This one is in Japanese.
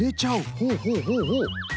ほうほうほうほう。